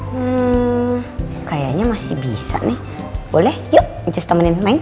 hmm kayaknya masih bisa nih boleh yuk manches temenin main